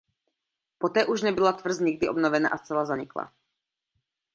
Poté už nebyla tvrz nikdy obnovena a zcela zanikla.